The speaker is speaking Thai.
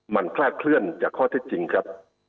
มันคลาดเคลื่อนจากข้อเท็จจริงครับ